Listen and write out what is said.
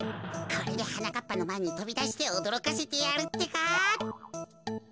これではなかっぱのまえにとびだしておどろかせてやるってか。